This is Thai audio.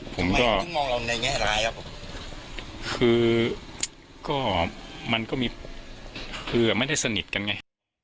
ผมก็คือก็มันก็มีคืออ่ะไม่ได้สนิทกันไง